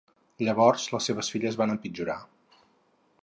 Llavors les seves filles van empitjorar.